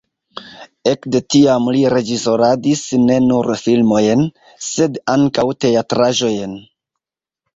Ekde tiam li reĝisoradis ne nur filmojn, sed ankaŭ teatraĵojn.